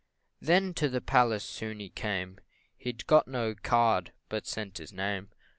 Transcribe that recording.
Then to the palace soon he came He'd got no card, but sent his name.